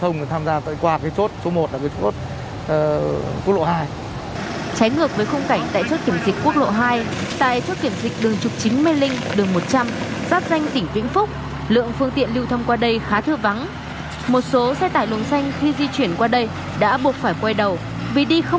ngoài ra thì cũng đang có kế hoạch